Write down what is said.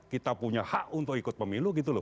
kita punya hak untuk ikut pemilu